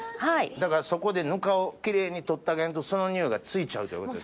だからそこでぬかをキレイに取ってあげんとその臭いがついちゃうということ。